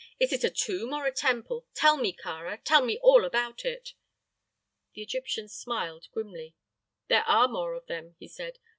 Is it a tomb or a temple? Tell me, Kāra, tell me all about it." The Egyptian smiled, grimly. "There are more of them," he said.